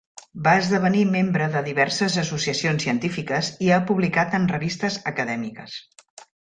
Va esdevenir membre de diverses associacions científiques i ha publicat en revistes acadèmiques.